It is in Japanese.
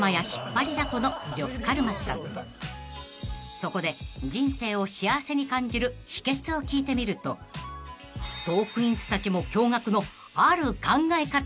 ［そこで人生を幸せに感じる秘訣を聞いてみるとトークィーンズたちも驚愕のある考え方が］